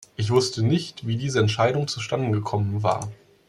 Ich wusste nicht, wie diese Entscheidung zustande gekommen war.